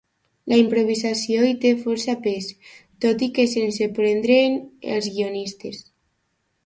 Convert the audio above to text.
La improvisació hi té força pes, tot i que sense prendre'n als guionistes.